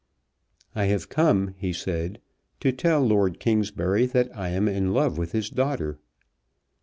"I have come," he said, "to tell Lord Kingsbury that I am in love with his daughter."